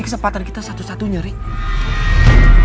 ini kesempatan kita satu satunya riz